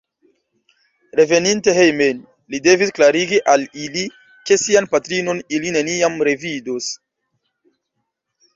Reveninte hejmen, li devis klarigi al ili, ke sian patrinon ili neniam revidos.